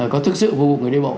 có thực sự vô cùng người đi bộ